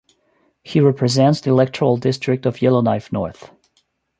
He represents the electoral district of Yellowknife North.